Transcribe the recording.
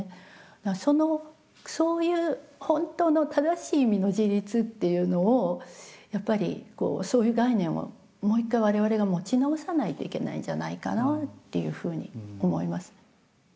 そのそういう本当の正しい意味の自立っていうのをやっぱりそういう概念をもう一回我々が持ち直さないといけないんじゃないかなっていうふうに思いますね。